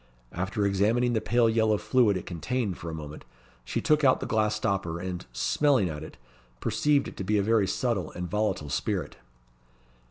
After examining the pale yellow fluid it contained for a moment, she took out the glass stopper, and, smelling at it, perceived it to be a very subtle and volatile spirit.